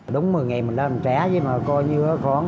đúng một mươi ngày mình làm trả nhưng mà coi như